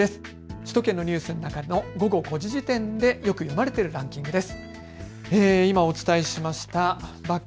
首都圏のニュースの中で午後５時時点でよく読まれているランキングです。